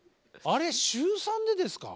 あれ週３でですか？